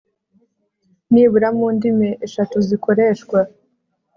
nibura mu ndimi eshatu zikoreshwa